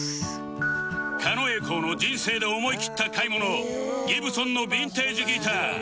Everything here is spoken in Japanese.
狩野英孝の人生で思いきった買い物 Ｇｉｂｓｏｎ のヴィンテージギター